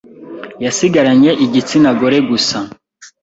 yasigaranye igitsina gore gusa